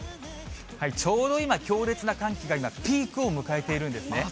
ちょうど今、強烈な寒気が今、ピークを迎えているんですね。